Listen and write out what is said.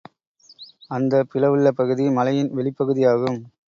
அந்தப் பிளவுள்ள பகுதி மலைபின் வெளிப்பகுதியாகும்.